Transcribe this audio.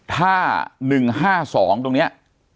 ถ้า๑๕๒ตรงนี้